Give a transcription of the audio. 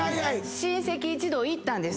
親戚一同行ったんです。